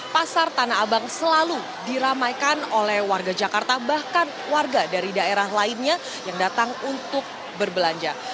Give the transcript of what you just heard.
pasar tanah abang selalu diramaikan oleh warga jakarta bahkan warga dari daerah lainnya yang datang untuk berbelanja